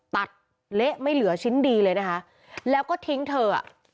เละไม่เหลือชิ้นดีเลยนะคะแล้วก็ทิ้งเธออ่ะ